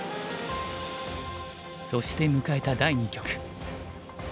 そして迎えた第二局。